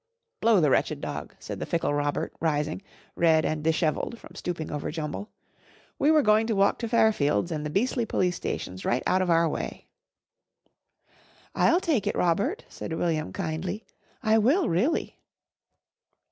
"Blow the wretched dog!" said the fickle Robert rising, red and dishevelled from stooping over Jumble. "We were going to walk to Fairfields and the beastly Police Station's right out of our way." "I'll take it, Robert," said William kindly. "I will really."